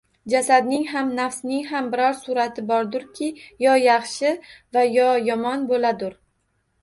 Jasadning ham, nafsning ham biror surati bordurki, yo yaxshi va yo yomon bo’ladur